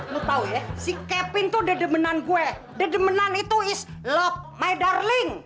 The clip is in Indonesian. lu tau ya si kevin tuh dedemenan gue dedemenan itu is love my darling